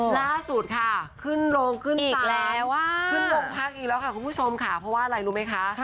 ล่าสุดค่ะขึ้นโรงขึ้นอีกแล้วขึ้นโรงพักอีกแล้วค่ะคุณผู้ชมค่ะเพราะว่าอะไรรู้ไหมคะ